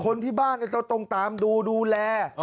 คนที่บ้านต้องตามดูดูแล